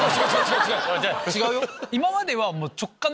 違うよ。